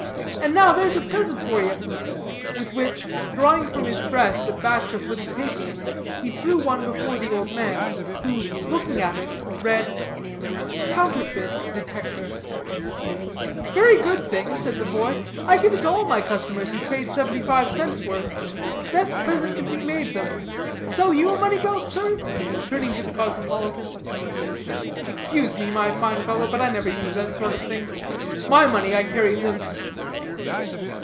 And now there's a present for ye," with which, drawing from his breast a batch of little papers, he threw one before the old man, who, looking at it, read "Counterfeit Detector." "Very good thing," said the boy, "I give it to all my customers who trade seventy five cents' worth; best present can be made them. Sell you a money belt, sir?" turning to the cosmopolitan. "Excuse me, my fine fellow, but I never use that sort of thing; my money I carry loose."